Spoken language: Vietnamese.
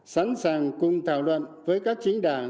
sẵn sàng cùng thảo luận với các chính đảng